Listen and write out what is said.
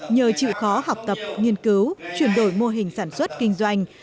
nhờ chịu khó học tập nghiên cứu chuyển đổi mô hình sản xuất kinh doanh